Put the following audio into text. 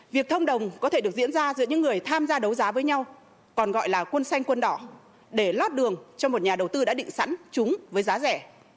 việc thông đồng có thể được diễn ra giữa những người tham gia đấu giá với nhau còn gọi là quân xanh quân đỏ để lót đường cho một nhà đầu tư đã định sẵn chúng với giá rẻ